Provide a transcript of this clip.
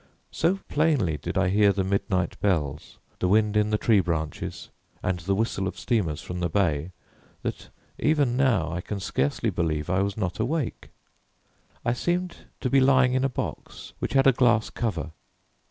So plainly did I hear the midnight bells, the wind in the tree branches, and the whistle of steamers from the bay, that even now I can scarcely believe I was not awake. I seemed to be lying in a box which had a glass cover.